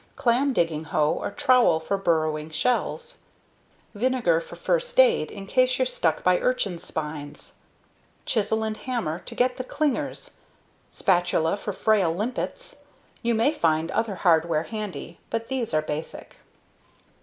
CLAM DIGGING HOE or trowel for burrowing shells. VINEGAR for first aid, in case you're stuck by urchin's spines. CHISEL and HAMMER to get the clingers, spatula for frail limpets. You may find other hardware handy, but these are basic.